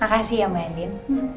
makasih ya mbak andin